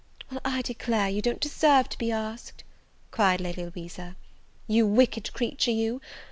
"Well, I declare you don't deserve to be asked," cried Lady Louisa, "you wicked creature you!